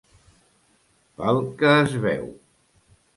Pel que es veu.